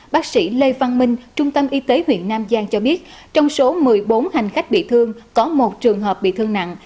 bác sĩ lê văn minh trung tâm y tế huyện nam giang cho biết trong số một mươi bốn hành khách bị thương có một trường hợp bị thương nặng